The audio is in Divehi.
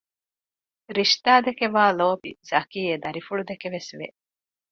ރިޝްދާ ދެކެ ވާ ލޯބި ޒަކީ އެދަރިފުޅުދެކެވެސް ވެ